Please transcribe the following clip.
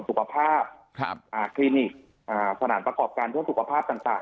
สุขภาพครับอ่าคลินิกอ่าสนานประกอบการช่วงสุขภาพต่าง